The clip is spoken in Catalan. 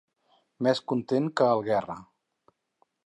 Més content que el Guerra.